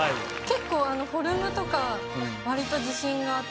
結構フォルムとかわりと自信があって。